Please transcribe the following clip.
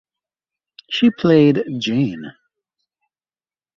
She played Jane.